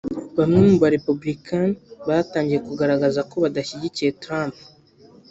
Bamwe mu ba-républicains batangiye kugaragaza ko badashyigikiye Trump